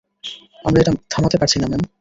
আমরা এটা থামাতে পারছি না, ম্যাম।